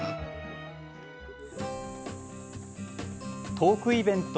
トークイベント